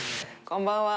こんばんは。